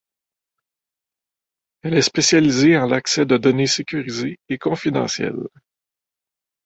Elle est spécialisée en l'accès de données sécurisées et confidentielles.